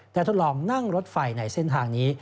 ทดลองนั่งรถไฟในเส้นทางนี้